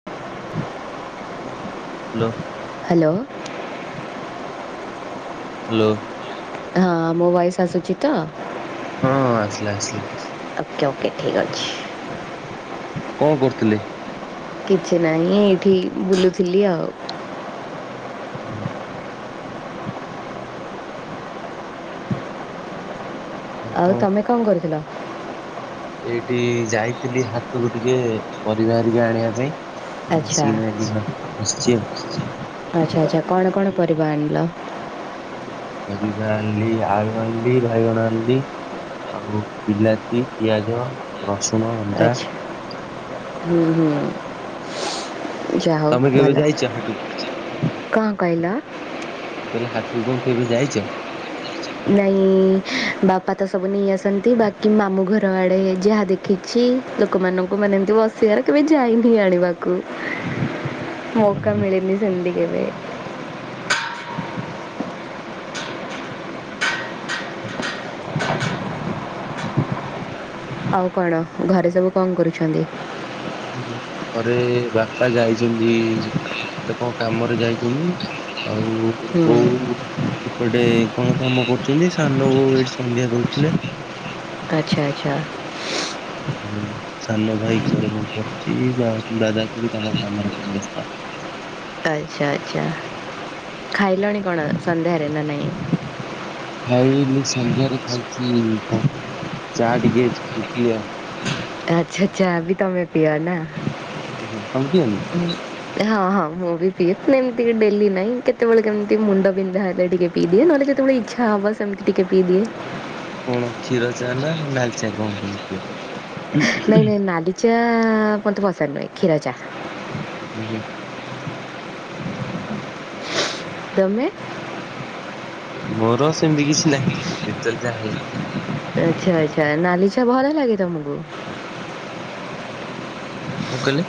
[inaudible] Hello. Hello. Hello ହଁ ମୋ voice ଆସୁଛି ତ? ହଁ ଆସିଲା ଆସିଲା। ଓକେ ଓକେ ଠିକ ଅଛି। କଁ କରୁଥିଲେ? କିଛି ନାହିଁ ଏଇଠି ବୁଲୁଥିଲି ଆଉ। ହୁଁ। ଆଉ ତମେ କଣ କରୁଥିଲ? ଏଇଠି ଯାଇଥିଲି ହାଟକୁ ଟିକେ ପରିବା ହେରିକା ଆଣିବା ପାଇଁ। ଆଚ୍ଛା ଆସିକିନା ଏଇଠି ବସିଛି ଆଉ। ଆଚ୍ଛା ଆଚ୍ଛା କଣ କଣ ପରିବା ଆଣିଲ? ପରିବା ଆଣିଲି ଆଳୁ ଆଣିଲି ବାଇଗଣ ଆଣିଲି ଆଉ ବିଲାତି, ପିଆଜ, ରସୁଣ, ଅଦା। ଆଚ୍ଛା ହୁଁ ହୁଁ। ଯା ହଉ ତମେ କେବେ ଭଲ, ଯାଇଛ ହାଟକୁ? କଁ କହିଲ? ମୁଁ କହିଲି ହାଟକୁ କଣ କେବେ ଯାଇଛ? ନାଇଁ ବାପା ତ ସବୁ ନେଇ ଆସନ୍ତି ବାକି ମାମୁଁ ଘର ଆଡ଼େ ଯାହା ଦେଖ ଖିଛି ଲୋକମାନଙ୍କୁ ମାନେ ଏମିତି ବସିବାରେ କେବେ ଯାଇନି ଆଣିବାକୁ। ମୌକା ଓହୋ। ମିଳିିନି ସେମିତି କେବେ। ଓ ହୋ। ଆଉ କଣ ଘରେ ସବୁ କଣ କରୁଛନ୍ତି? ଘରେ ବାପା ଯାଇଛନ୍ତି ଗୋଟେ କଣ କାମରେ ଯାଇଛନ୍ତି, ଆଉ ହୁଁ ବୋଉ ଏପଟେ କଣ କାମ କରୁଛନ୍ତି ସାନ ବୋଉ ଏଇଠି ସନ୍ଧ୍ୟା ଦଉଥିଲେ। ଆଚ୍ଛା ଆଚ୍ଛା। ହଁ ସାନ ଭାଇ କୁଆଡେ ମୁଁ କରୁଛି ବା ଦାଦା ଖୁଡି ତାଙ୍କ କାମରେ କଣ ବେସ୍ତ। ଆଚ୍ଛା ଆଚ୍ଛା ଆଛା, ଖାଇଲଣି କଣ ସନ୍ଧ୍ୟାରେ ନା ନାଇଁ? ଖାଇଲି ସନ୍ଧ୍ୟାରେ ଖାଇଛି କଣ ଚା ଟିକେ ଖାଇଥିଲି ଆଉ। ଆଚ୍ଛା ଚା ବି ତମେ ପିଅ ନା। ଓହୋ ତମେ ପିଅନି? ହୁଁ। ହଁ ହଁ ମୁଁ ବି ପିଏ ଏମତି ଡେଲି ନାଇଁ କେତେବେଳେ କେମତି ମୁଣ୍ଡ ବିନ୍ଧା ହେଲେ ଟିକେ ପି ଦିଏ ନହେଲେ କେତେବେଳେ ଇଚ୍ଛା ହବ ସେମିତି ଟିକେ ପି ଦିଏ। କଣ କ୍ଷୀର ଚା, ନା ନାଲି ଚା କଣ ପିଅ? ହୁଁ ନଇ ନାଇ ନାଲି ଚା ମତେ ପସନ୍ଦ ନାଇ, କ୍ଷୀର ଚା। ଉଁ ହୁଁ। ତମେ? ମୋର ସେମିତି କିଛି ନାହିଁ, ଯେତେବେଳେ ଯାହା ହେଲା। ଆଚ୍ଛା ଆଚ୍ଛା ନାଲି ଚା ଭଲ ଲାଗେ ତମକୁ? କଣ କହିଲେ?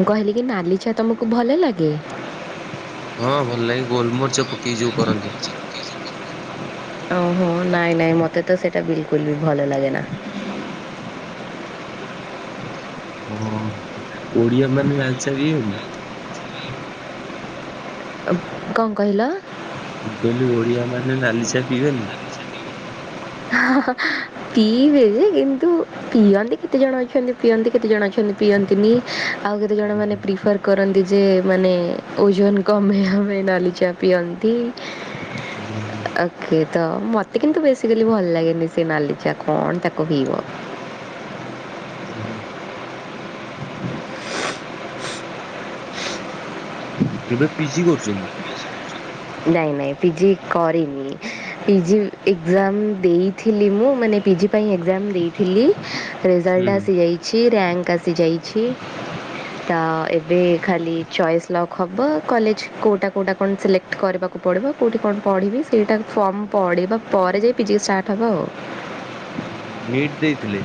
ମୁଁ କହିଲି କି ନାଲି ଚା ତମକୁ ଭଲ ଲାଗେ? ହଁ ଭଲ ଲାଗେ, ଗୋଲମରିଚ ପକେଇକି ଯୋଉ କରନ୍ତି। ଓହୋ ନାଇଁ ନାଇଁ ମତେ ତ ସେଟା ବିଲକୁଲ୍ ବି ଭଲ ଲାଗେ ନା। ହଁ ଓଡିଆ ମାନେ ନାଲି ଚା ପିଇବେନି? [inaudible] କଣ କହିଲ? ମୁଁ କଇଲି ଓଡିଆ ମାନେ ନାଲି ଚା ପିଇବେନି? [unintelligible] ପିଇିବେ ଯେ କିନ୍ତୁ ପିଅନ୍ତି କେତେ ଜଣ ଅଛନ୍ତି ପିଅନ୍ତି, କେତେ ଜଣ ଅଛନ୍ତି ପିଅନ୍ତିନି। ଆଉ କେତେ ଜଣ ହୁଁ, ମାନେ ପ୍ରିଫର କରନ୍ତି ଯେ ମାନେ ଓଜନ କମେଇଆ ପାଇଁ ନାଲି ଚା ପିଅନ୍ତି। ଏବଂ ଓକେ ତ ମୋତେ କିନ୍ତୁ ବେସିକାଲି ଭଲ ଲାଗେନି ସେ ନାଲି ଚା, କଣ ତାକୁ ପିଇବ। ହୁଁ ହୁଁ। ଏବେ ପିଜି କରୁଚନ୍ତି? ନାଇଁ ନାଇଁ ପିଜିି କରିନି। ପିଜି ଏକ୍ଜାମ୍ ଦେଇଥିଲି ମୁଁ, ମାନେ ପିଜି ପାଇଁ ଏକ୍ଜାମ୍ ଦେଇି ଥିଲି ରେଜଲ୍ଟ ହୁଁ, ଆସିଯାଇଛି, ରେଙ୍କ୍ ଆସିଯାଇଛି। ତ ଏବେ ଖାଲି ଚଏସ୍ ଲକ ହବ, କଲେଜ କୋଉଟା କୋଉଟା କଣ ସିଲେକ୍ଟ କରିବାକୁ ପଡିବ କୋଉଠି କଣ ପଢିବି ସେଇଟା ଫର୍ମ ପଢିବା ପରେ ଯାଇ ପିଜି ଷ୍ଟାର୍ଟ ହବ ଆଉ। ଓହୋ ନିଟ୍ ଦେଇଥିଲେ?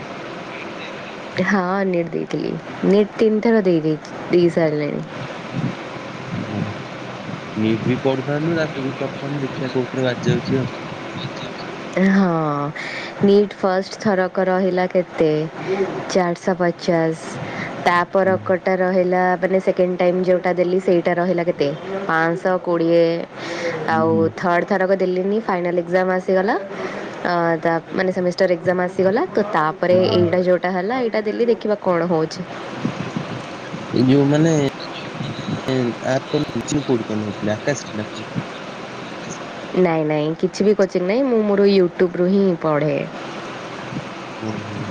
ହଁ ନିଟ୍ ଦେଇଥିଲି, ନିଟ୍ ତିନିଥର ଦେଇ ଦେଇଚି ଦେଇ ସାରିଲିଣି। ହୁଁ ନିଟ୍ ବି ପଢୁଥାନ୍ତୁ, ତାକୁ ବି କରୁଥାନ୍ତୁ ଦେଖିବା କୋଉଥିରେ ବାଜି ଯାଉଚି ଆଉ। ହଁ ନିଟ୍ ଫାଷ୍ଟ ଥରକ ରହିଲା କେତେ ଚାର ଶହ ପଚାଶ ତାପର ହୁଁ, କଟା ରହିଲା ମାନେ ସେକେଣ୍ଡ ଟାଇମ୍ ଯୋଉଟା ଦେଲି ସେଇଟା ରହିଲା କେତେ ପାଞ୍ଚଶହ କୋଡ଼ିଏ ଆଉ ହୁଁ, ଥର୍ଡ ଥରକ ଦେଲିିନି ଫାଇନାଲ ଏ ଏକ୍ସାମ ଆସିଗଲା ଅଁ ତା ମାନେ ସେମିଷ୍ଟର ଏକ୍ସାମ ଆସିଗଲା ତ ତାପରେ ହୁଁ, ହୁଁ। ଏଇଟା ଯୋଉ ଏଟା ହେଲା, ଏଇଟା ଦେଲି ଦେଖିବା କଣ ହଉଛି। ଯୋଉ ମାନେ [inaudible] କୋଚିଂ କୋଉଠି କଣ ନଉଥିଲେ ଆକାଶରେ ନା କୋଉଥିରେ? ନାଇଁ ନାଇଁ କିଛି ବି କୋଚିଂ ନାଇଁ, ମୁଁ ମୋର ୟୁଟ୍ୟୁବ ରୁ ହିଁ ପଢ଼େ। ଓହୋ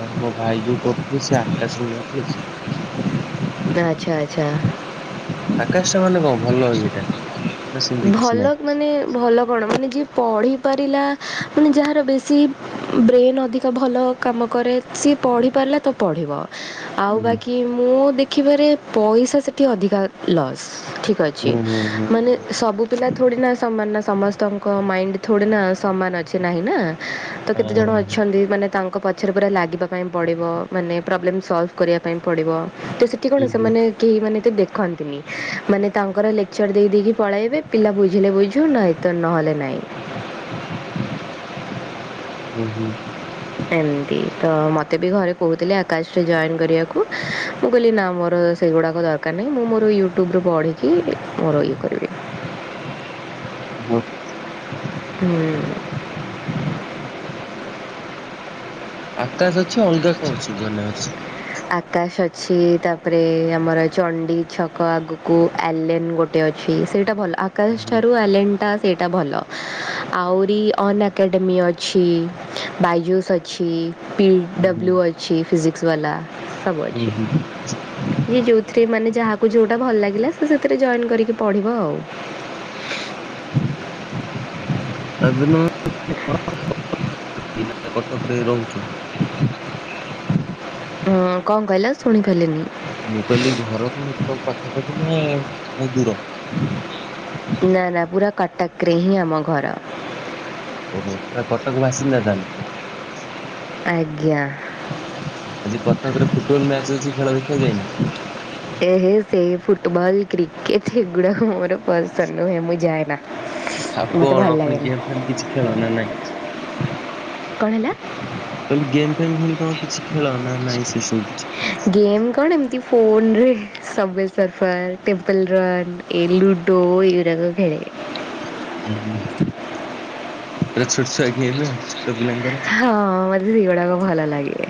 ନାଇଁ ମୋ ଭାଇ ଯୋଉ କରୁଥିଲେ ସେ ଆକାଶରୁ ନଉଥିଲେ ତ। ଆଚ୍ଛା ଆଚ୍ଛା। ଆକାଶଟା ମାନେ କଣ ଭଲ ଇଏ ଟା? ଭଲ ମାନେ ଭଲ କଣ ମାନେ ଯିଏ ପଢ଼ିପାରିଲା, ମାନେ ଯାହାର ବେଶୀ ବ୍ରେନ୍ ଅଧିକା ଭଲ କାମ କରେ ସିଏ ପଢ଼ିପାରିଲା ତ ପଢ଼ିବ। ଆଉ ହୁଁ ବାକି ମୁଁ ଦେଖିବାରେ ପଇସା ସେଠି ଅଧିକା ଲସ୍, ଠିକ ଅ ଛି ହୁଁ ହୁଁ ହୁଁ। ମାନେ ହୁଁ। ସବୁ ପିଲା ଥୋଡ଼ି ନା ସମାନ ନା ସମସ୍ତଙ୍କ ମାଇଣ୍ଡ ଥୋଡ଼ି ନା ସମାନ ଅଛି ନାହିଁ ନା। ତ କେତେ ଜଣ ହଁ ଅଛନ୍ତି ମାନେ ତାଙ୍କ ପ ପଛରେ ପୁରା ଲାଗିବା ପାଇଁ ପଡ଼ିବ, ମାନେ ପ୍ରୋବ୍ଲେମ୍ ସଲଭ୍ କରିଆ ପାଇଁ ପଡ଼ିବ, ତ ସେଠି କଣ ହୁଁ ସେମାନେ କେହି ମାନେ ଏତେ ଦେଖନ୍ତିନି, ମାନେ ତାଙ୍କର ଲେକ୍ଚର ଦେଇ ଦେଇକି ପଳାଇବେ, ପିଲା ବୁଝିଲେ ବୁଝୁ ନାଇଁ ତ ନହେଲେ ନାଇଁ। ଉଁ ହୁଁ, ଏମିତି ତ ମୋତେ ବି ଘରେ କହୁଥିଲେ ଆକାଶ୍ ରେ ଜଏନ୍ କରିବାକୁ ମୁଁ କହିଲି ନାଁ ମୋର ସେଗୁଡ଼ାକ ଦରକାର ନାହିଁ ମୁଁ ମୋର ୟୁଟ୍ୟୁବ୍ ରୁ ପଢ଼ିକି ଇ ମୋର ଇଏ କରିବି। ହଁ। [inaudible] ହୁଁ। ଆକାଶ ଅଛି ଅଲଗା କଣ ସବୁ ମାନେ ଅଛି? ଆକାଶ୍ ଅଛି ତାପରେ ଆମର ଚଣ୍ଡୀଛକ ଆଗକୁ ଆଲେନ୍ ଗୋ ଗୋଟେ ଅଛି ସେଇଟା ଭଲ ଆକାଶ୍ ଉହୁଁ, ଠାରୁ ଆଲେନ୍ ଟା ସେଇଟା ଭଲ। ଆହୁରି ଅନ୍ ଏକାଡେମୀ ଅଛି ବାଇଜୁସ୍ ଅଛି। ପି ଉହୁଁ, ଡବ୍ଲ୍ୟୁ ଅଛି ଫିଜିକ୍ସ ବାଲା ସବୁ ଅଛି। ଉହୁଁ। ଜିଏ ଯୋଉଥିରେ ମାନେ ଯାହାକୁ ଯୋଉଟା ଭଲ ଲାଗିଲା ସେ ସେଥିରେ ଜଏନ୍ କରିକି ପଢ଼ିବ ଆଉ। ତା ଦିନ [unintelligible] କଟକ ରେ ରହୁଛୁ। ହଁ କଣ କହିଲ ଶୁଣି ପାଇଲିନି? ମୁଁ କହିଲି ଘର କଟକ୍ ପାଖାପାଖି ନା ନାଁଇ ଦୂର? ନା ନା ପୁରା କଟକ୍ ରେ ହିଁ ଆମ ଘର। ଓ ହୋ ପୂରା କଟକ ବାସିନ୍ଦା ତାହେଲେ। ଆଜ୍ଞା ଆଜି କଟକରେ ଫୁଟବଲ୍ ମ୍ୟାଚ୍ ଅଛି ଖେଳ ଦେଖିବାକୁ ଯାଇନ? ଏ ହେ ସେଇ ଫୁଟବଲ୍ କ୍ରିକେଟ୍ ହେଗୁଡ଼ାକ ମୋର ପସନ୍ଦ ନୁହେଁ ମୁଁ ଯାଏନା। ଆଉ ମୋତେ ଭଲ କଣ ପୁଣି ଲାଗେନି। ଗେମ୍ ଫେମ୍ କିଛି ଖେଳ ନା ନାଇଁ? କଣ ହେଲା? ମୁଁ କହିଲି ଗେମ୍ ଫେମ୍ ପୁଣି ତମେ କିଛି ଖେଳନା? ଗେମ୍ କଣ ଏମିତି ଫୋନ ରେ ସୱବେ ସର୍ଫର୍ ଟିମ୍ପୋଲ ରନ୍ ଏଇ ଲୁଡୋ ଏଇ ଗୁଡ଼ା ଖେଳେ। [unintelligible] ପୁରା ଛୋଟ ଛୁଆ ଗେମ୍ ଉ ଛୋଟ ପିଲାଙ୍କର। ହଁ ମତେ ସେଗୁଡ଼ାକ ଭଲ ଲାଗେ।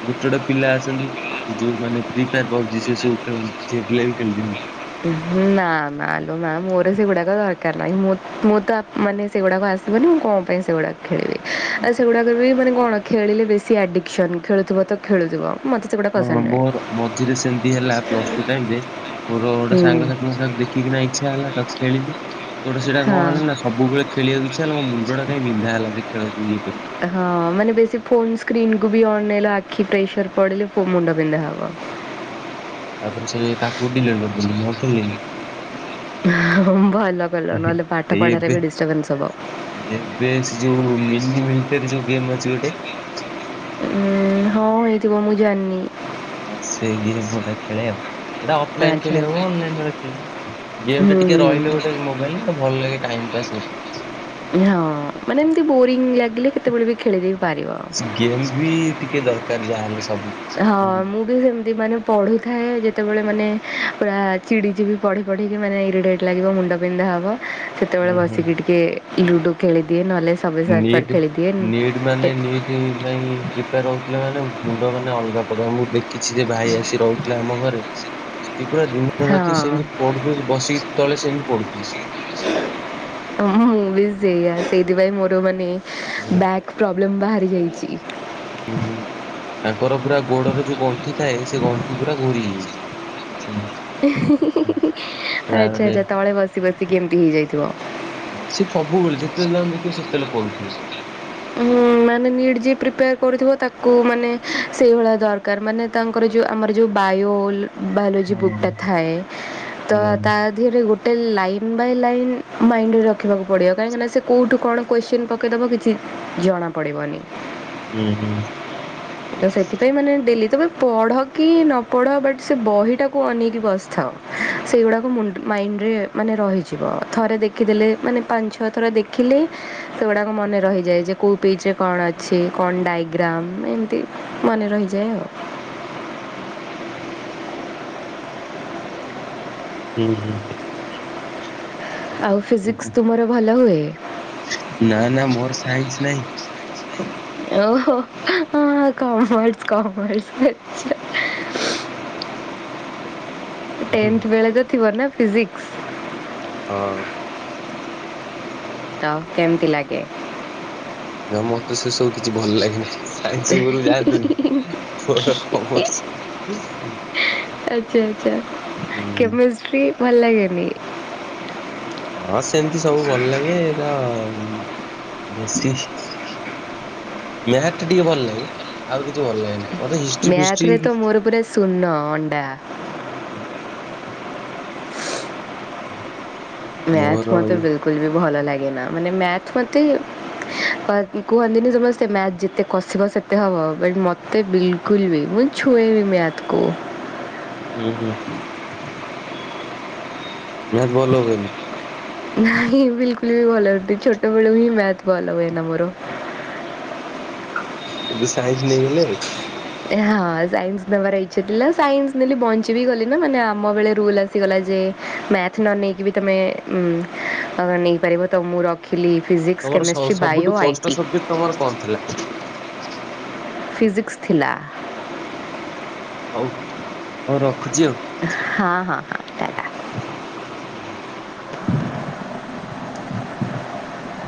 ଗୋଟେ ଗୋଟେ ପିଲା ଆସନ୍ତି ଏଇ ଯୋଉ ମାନେ ଫ୍ରି ଫାୟର୍ ପବ୍ ଜି ସେ ସବୁ ଖେଳନ୍ତି ଝିଅ ପିଲା ବି ଖେଳି ଦିଅନ୍ତି। ନା ନାଲୋ ନା ମୋର ସେଗୁଡ଼ାକ ଦରକାର୍ ନାହିଁ ମୁଁ ମୁଁ ତ ଅ ମାନେ ସେଗୁଡ଼ାକ ଆସିବନି ମୁଁ କଣ ପାଇଁ ସେଗୁଡ଼ାକ ଖେଳିବି ଆଉ ସେଗୁଡ଼ାକରେ ବି ମାନେ କଣ ଖେଳିଲେ ବେଶୀ ଆଡ଼ିକ୍ସନ ଖେଳୁଥିବ ତ ଖେଳୁଥିବ। ମତେ ସେଗୁଡା ହଁ ପସନ୍ଦ ନୁହେଁ। ମୋର ମଝିରେ ସେମିତି ହେଲା ପ୍ଲସ ଟୁ ଟାଇମ୍ ରେ ମୋର ଗୋଟେ ହୁଁ। ସାଙ୍ଗସାଥିୀଙ୍କ ଠାରୁ ଦେଖିକିନା ଇଚ୍ଛା ହେଲା ତ ଖେଳିଲି ତୋ ଟା ସେଟା କଣ ହଁ। ହେଲା ନା ସବୁବେଳେ ଖେଳିବାକୁ ଇଚ୍ଛା ହେଲା ମୋ ମୁଣ୍ଡଟା କାଇଁ ବିନ୍ଧା ହେଲା ସେ ଖେଳକୁ ଇଏ କରି। ହଁ ମାନେ ବେଶୀ ଫୋନ ସ୍କ୍ରିନ୍ କୁ ବି ଅନେଇଲ ଆଖି ପ୍ରେସର ପଡ଼ିଲେ ପୁ ମୁଣ୍ଡ ବିନ୍ଧା ହବ। ହଁ ତାପରେ ସେ ତାକୁ ଡିଲେଟ୍ କରିଦେଲି ମୁଁ ଆଉ ଖେଳିଲିନି। ହଁ ଭଲ କଲ ତ ହେ ନହେଲେ ପାଠପଢ଼ାରେ ବି ଡିଷ୍ଟ୍ରବାନ୍ସ ହବ। ବେ ସେ ଯୋଉ ମିନି ମିଲିଟାରୀ ଯୋଉ ଗେମ୍ ଅଛି ଗୋଟେ ଉ ହଁ ହେଇଥିବ ମୁଁ ଜାଣିନି। ହଁ ସେ ଏ ମୁଁ ଏଟା ଖେଳେ ଆଉ। ଏଇଟା ଅଫଲାଇନ୍ ଆଚ୍ଛା ଖେଳିହବ ଆଚ୍ଛା ଅନଲାଇନ୍ ରେ ଖେଳିହବ ଗେମ୍ ଟା ହୁଁ ଟିକେ ହୁଁ ରହିଲେ ଗୋଟେ ମୋବାଇଲ୍ ରେ ସେଟା ଭଲ ଲାଗେ ଟାଇମ୍ ପାସ୍ ଗୋଟେ। ହଁ ମାନେ ଏମିତି ବୋରିଂ ଲାଗିଲେ କେତେବେଳେ ବି ଖେଳିଦେଇ ପାରିବ। ସେ ଗେମ୍ ବି ଟିକେ ଦରକାର ଯାହା ହେଲେ ସବୁ। ହଁ ହୁଁ ମୁଁ ବି ସେମିତି ମାନେ ପଢୁଥାଏ ଯେତେବେଳେ ମାନେ ପୂରା ଚିଡ଼ି ଯିବି ପଢ଼ି ପଢ଼ିକି ମାନେ ଇରିଟାଇଟ୍ ଲାଗିବ ମୁଣ୍ଡ ବିନ୍ଧା ହବ ସେତେବେଳେ ହୁଁ ବସିକି ଟିକେ ଲୁଡୋ ଖେଳିଦିଏ ନହେଲେ ସବେ ସର୍ଫର୍ ନିଟ୍ ଖେଳିଦିଏ। ନିଟ୍ ମାନେ ନି [unintelligible] ପାଇଁ ପ୍ରିପେୟାର ହୋଉଥିଲା ମାନେ ମୁଣ୍ଡ ମାନେ ଅଲଗା ପ୍ରକାର। ମୁଁ ଦେ କିଛି ଯେ ଭାଇ ଆସି ରହୁଥିଲା ଆମ ଘରେ। ସିଏ ପୁରା ଦିନ ହଁ ରାତି ସେମିତି ପଢୁଥିବେ ବସିକି ତଳେ ସେମିତି ପଢୁଥିବେ। ହ ମୁ ବି ସେଇୟା ସେଇଥିପାଇଁ ମୋର ମାନେ ତାପରେ ବ୍ୟା ପ୍ରୋବ୍ଲେମ୍ ବାହାରି ଯାଇଛି। ହୁଁ ହୁଁ ତାଙ୍କର ପୁରା ଗୋଡର ଯୋଉ ଗଣ୍ଠି ଥାଏ ସେ ଗଣ୍ଠି ପୁରା ଘୋରି ହେଇଯାଇଛି। ସେମିତି। ଆଚ୍ଛା ତାପରେ ଆଚ୍ଛା ତଳେ ବସି ବସିକି ଏମିତି ହେଇଯାଇଥିବ। ହଁ ସିଏ ସବୁବେଳେ ଯେତେବେଳେ ତାଙ୍କୁ ଦେଖିବ ସେତେବେଳେ ପଡୁଥିବେ। ମାନେ ନିଟ୍ ଯିଏ ପ୍ରିପେୟାର କରୁଥିବ ତାକୁ ମାନେ ସେଇଭଳିଆ ଦରକାର ମାନେ ତାଙ୍କ ତାଙ୍କର ଯେଉଁ ଆମର ଯେଉଁ ବାୟୋ ବାୟୋଲୋଜି ହଁ ବୁକଟା ଥାଏ ତ ହଁ ତା ଧୀରେ ଗୋଟେ ଲାଇନ୍ ବାଇ ଲାଇନ୍ ମାଇଣ୍ଡରେ ରଖିବାକୁ ପଡ଼ିବ। କାହିଁକିନା ସେ କୋଉଠୁ କଣ କ୍ୱେଶ୍ଚିନ ପକାଇଦେବ କିଛି ଜଣାପଡ଼ିବନି। ହୁଁ ହୁଁ। ହ [inaudible] ତ ସେଥିପାଇଁ ମାନେ ଡେଲି ତ ପଢ଼ କି ନ ପଢ଼ ବଟ୍ ସେ ବହିଟାକୁ ଅନେଇକି ବସିଥାଅ। ସେଇଗୁଡ଼ାକ ମୁ ମାଇଣ୍ଡରେ ମାନେ ରହିଯିବ ଥରେ ଦେଖିଦେଲେ ମାନେ ପାଞ୍ଚ ଛଅ ଥର ଦେଖିଲେ ସେଗୁଡଡାକ ମନେ ରହିଛି। ଯାଏ ଯେ କେଉଁ ପେଜରେ କଣ ଅଛି କଣ ଡାଇଗ୍ରାମ୍ ଏମିତି ମନେ ରହିଯାଏ ଆଉ। ହୁଁ ହୁଁ। ଆଉ ହୁଁ ଫିଜିକ୍ସ ତୁମର ଭଲ ହୁଏ? ନା ନା ମୋର ସାଇନ୍ସ ନାହିଁ। ଓହୋ ହଁ ହଁ କମର୍ସ କମର୍ସ ଆଛା। ହୁଁ, ହୁଁ। ଟେନଥ ବେଳେ ତ ଥିବ ନା ଫିଜିକ୍ସ। ହଁ। ତ କେମିତି ଲାଗେ? ନା ମତେ ସେ ସବୁ କିଛି ଭଲ ଲାଗେ ନାହିଁ। ସାଇନ୍ସ ଉପରକୁ ଯାଆନ୍ତୁନି ମୋର କମର୍ସ। ଆଛା ଆଛା ହୁଁ ହୁଁ କେମେଷ୍ଟ୍ରି ଭଲ ଲାଗେନି? ହଁ ସେମିତି ସବୁ ଭଲ ଲାଗେ ଏଟା ବେଶୀ ମ୍ୟାଥ ଟିକେ ଭଲ ଲାଗେ ଆଉ କିଛି ଭଲ ଲାଗେ ନାଁ। ମ୍ୟାଥ ରେ ତ ମୋର ପୁରା ଶୂନ ଅଣ୍ଡା। ହୁଁ। ମ୍ୟାଥ ମତେ ବେ ବିଲକୁଲ୍ ବି ଭଲ ଲାଗେନା। ମାନେ ମ୍ୟାଥ ମୋତେ କ କୁହନ୍ତିନି ସମସ୍ତେ ମ୍ୟାଥ ଯେତେ କସିବ ସେତ ମତେ ହବ ବ ମତେ ବିଲକୁଲ ବି ମୁଁ ଛୁଏଁନି ମ୍ୟାଥ କୁ। ଉଁ ହୁଁ। ମ୍ୟାଥ ଭଲ ହୁଏନି। ନାଇଁ ବିଲକୁଲ ବି ଭଲ ଛୋଟେ ବେଳୁହିଁ ମ୍ୟାଥ ଭଲ ହୁଏନା ମୋର। କିନ୍ତୁ ସାଇନ୍ସ ନେଇଗଲେ ଆଉ। ହଁ ସାଇନ୍ସ ନେବାର ଇଚ୍ଛା ଥିଲା ସାଇନ୍ସ ନେଲି ବଞ୍ଚୀବିି ଗଲି ନା ମାନେ ଆମ ବେଳେ ରୁଲ ଆ ଆସିଗଲା ଯେ ମ୍ୟାଥ ନ ନେଇକି ବି ତମେ ଉଁ ନେଇପାରିବ ତ ମୁଁ ର ରଖିଲି ଫିଜିକ୍ସ ତମର ସ କେମିଷ୍ଟ୍ରି ସବୁଠୁ ବାୟୋ ଆଇ କଷ୍ଟ ଟି। ସବଜେକ୍ଟ ତମର କଣ ଥିଲା? ଫିଜିକ୍ସ ଥିଲା। ହଉ ହଉ ରଖୁଛି ଆଉ। ହଁ ହଁ ହଁ। ହୁଁ।